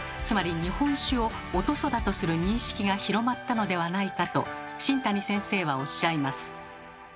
つまり日本酒をお屠蘇だとする認識が広まったのではないかと新谷先生はおっしゃいます。